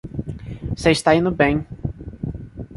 Você está indo bem